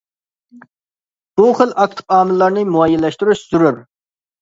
بۇ خىل ئاكتىپ ئامىللارنى مۇئەييەنلەشتۈرۈش زۆرۈر.